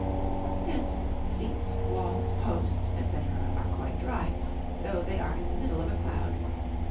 Hence seats, walls, posts, &c., are quite dry, though they are in the middle of a cloud.